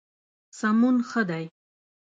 سمون ښه دی.